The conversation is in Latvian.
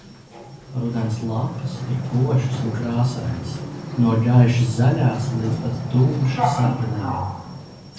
Rudens lapas ir košas un krāsainas, no gaiši zaļās līdz pat tumši sarkanajai.